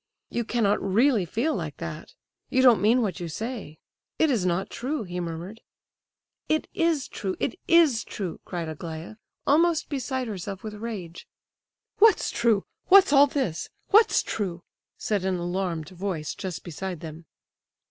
"You cannot really feel like that! You don't mean what you say. It is not true," he murmured. "It is true, it is true," cried Aglaya, almost beside herself with rage. "What's true? What's all this? What's true?" said an alarmed voice just beside them.